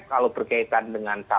kalau berkaitan dengan